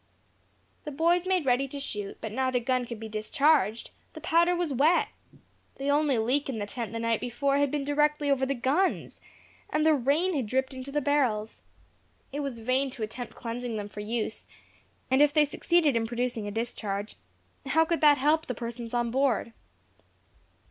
The boys made ready to shoot, but neither gun could be discharged. The powder was wet. The only leak in the tent the night before had been directly over the guns, and the rain had dripped into the barrels. It was vain to attempt cleansing them for use; and if they succeeded in producing a discharge, how could that help the persons on board?